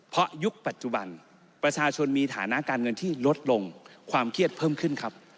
เพราะยุคปัจจุบันประชาชนมีฐานะการเงินที่ลดลงความเครียดเพิ่มขึ้นครับ